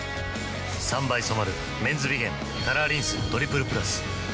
３倍染まる「メンズビゲンカラーリンストリプルプラス」